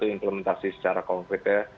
implementasi secara konkretnya